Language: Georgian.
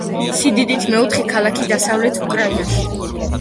სიდიდით მეოთხე ქალაქი დასავლეთ უკრაინაში.